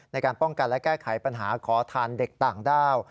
ในการป้องกันและแก้ไขปัญหาขอทานเด็กต่างด้าว